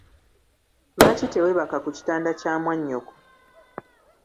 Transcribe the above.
Lwaki teweebaka ku kitanda kya mwanyoko?